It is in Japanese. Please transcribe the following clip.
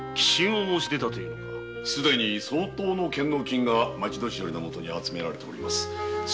すでに相当の献納金が町年寄のもとに集まっています。